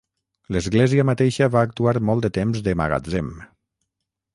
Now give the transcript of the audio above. L'església mateixa va actuar molt de temps de magatzem.